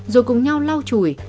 rồi cùng nhau lau chùi